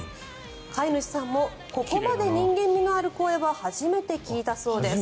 飼い主さんもここまで人間味がある声は初めて聞いたそうです。